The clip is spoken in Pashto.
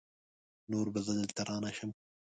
نور به زه دلته رانشم!